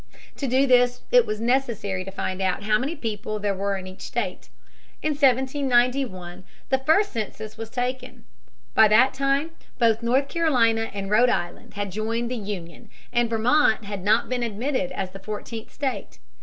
To do this it was necessary to find out how many people there were in each state. In 1791 the first census was taken. By that time both North Carolina and Rhode Island had joined the Union, and Vermont had been admitted as the fourteenth state.